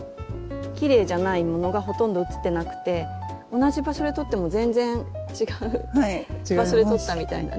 きれいじゃないものがほとんど写ってなくて同じ場所で撮っても全然違う場所で撮ったみたいなね